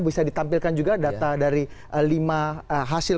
bisa ditampilkan juga data dari lima hasil